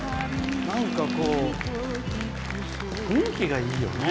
なんか、こう雰囲気がいいよね。